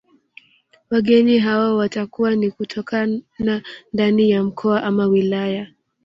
Wageni hao watakuwa ni kutokana ndani ya mkoa ama wilaya